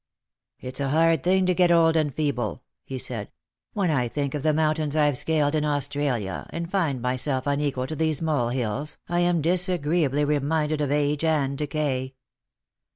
" It's a hard thing to get old and feeble," he said. " When I think of the mountains I've scaled in Australia, and find my self unequal to these molehills, I am disagreeably reminded of age and decay."